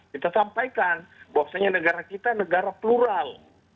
kita sampaikan bahwasanya negara kita negara plural